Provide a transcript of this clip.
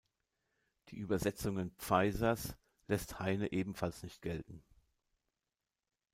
Die Übersetzungen "Pfizer"s lässt Heine ebenfalls nicht gelten.